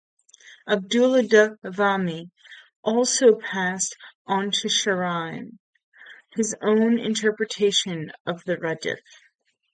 Abdollah Davami also passed on to Shajarian his own interpretation of the Radif.